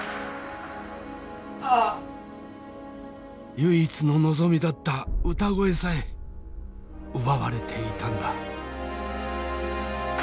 唯一の望みだった歌声さえ奪われていたんだ。